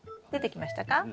出てきましたか？